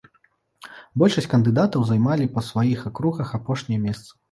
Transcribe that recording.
Большасць кандыдатаў займалі па сваіх акругах апошнія месцы.